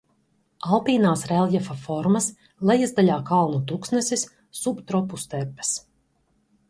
Alpīnās reljefa formas, lejasdaļā kalnu tuksnesis, subtropu stepes.